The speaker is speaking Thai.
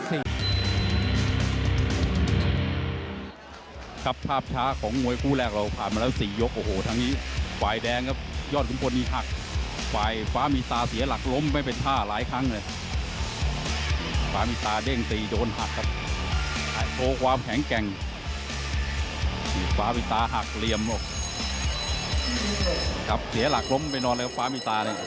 อเจมส์ครับภาพช้าของมวยกู้แรกเราผ่านมาแล้ว๔ยกโอ้โหทั้งนี้ฝ่ายแดงครับยอดขุนพลนี่หักฝ่ายฟ้ามีตราเสียหลักล้มไม่เป็นท่าหลายครั้งเลยฝ่ามีตราเด้งตีโดนหักครับโตความแข็งแกร่งฝ่ามีตราหักเหลี่ยมหมดครับเสียหลักล้มไปนอนเลยฝ่ามีตราเลย